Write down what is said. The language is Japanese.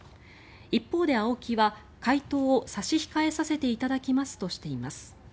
一方で、ＡＯＫＩは回答を差し控えさせていただきますとしています。